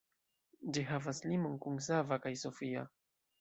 Ĝi havas limon kun Sava kaj Sofia.